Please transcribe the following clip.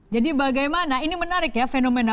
jadi bagaimana ini menarik ya fenomena